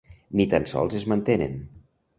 Ni tan sols es mantenen.